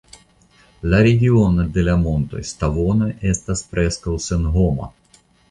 La regiono de la montoj Stavonoj estas preskaŭ senhoma.